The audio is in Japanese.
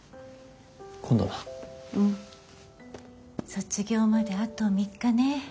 卒業まであと３日ね。